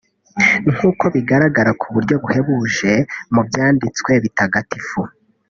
nk’uko bigaragara ku buryo buhebuje mu Byanditswe Bitagatifu